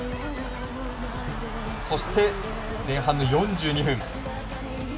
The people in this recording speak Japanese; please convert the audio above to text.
そして、前半の４２分。